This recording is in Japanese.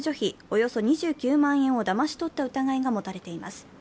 およそ２９万円をだまし取った疑いが持たれています。